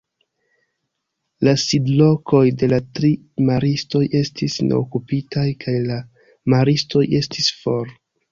La sidlokoj de la tri maristoj estis neokupitaj kaj la maristoj estis for.